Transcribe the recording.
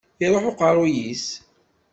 Iruḥ uqerruy-is.